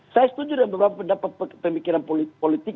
saya setuju dengan beberapa pendapat pemikiran politik